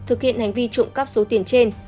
thực hiện hành vi trộm cắp số tiền trên